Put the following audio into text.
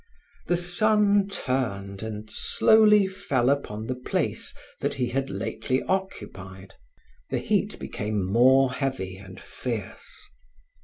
The sun turned, and slowly fell upon the place that he had lately occupied. The heat became more heavy and fierce.